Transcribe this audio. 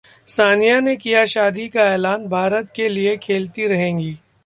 सानिया ने किया शादी का ऐलान, भारत के लिये खेलती रहेंगी